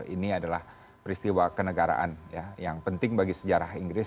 ini adalah peristiwa kenegaraan yang penting bagi sejarah inggris